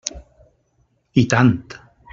I tant!